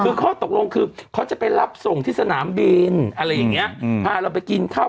คือข้อตกลงคือเขาจะไปรับส่งที่สนามบินอะไรอย่างเงี้ยพาเราไปกินข้าว